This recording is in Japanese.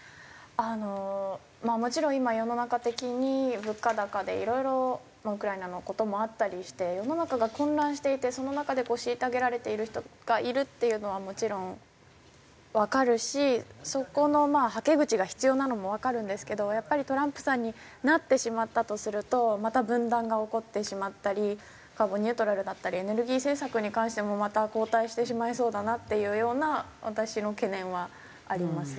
あのまあもちろん今世の中的に物価高でいろいろウクライナの事もあったりして世の中が混乱していてその中で虐げられている人がいるっていうのはもちろんわかるしそこのはけ口が必要なのもわかるんですけどやっぱりトランプさんになってしまったとするとまた分断が起こってしまったりカーボンニュートラルだったりエネルギー政策に関してもまた後退してしまいそうだなっていうような私の懸念はあります。